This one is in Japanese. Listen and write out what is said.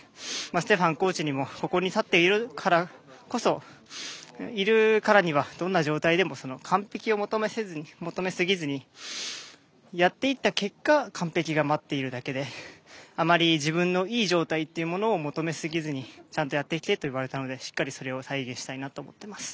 ステファンコーチにもここに立っているからにはどんな状態でも完璧を求めすぎずにやっていった結果完璧が待っているだけであまり自分のいい状態というものを求めすぎずにちゃんとやってきてと言われたのでしっかりそれを体現したいなと思っています。